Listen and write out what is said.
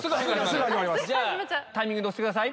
タイミングで押してください。